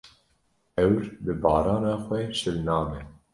Ewr bi barana xwe şil nabe.